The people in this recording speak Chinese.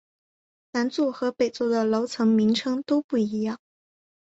南座和北座的楼层名称都不一样。